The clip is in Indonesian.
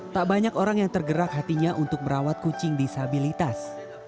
tak banyak orang yang tergerak hatinya untuk merawat kucing disabilitas